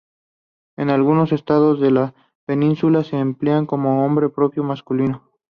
En algunos estados de la península se emplea como nombre propio masculino.